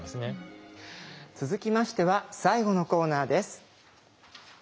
続きましては最後のコーナーです。